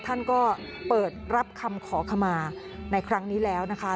ท่านก็เปิดรับคำขอขมาในครั้งนี้แล้วนะคะ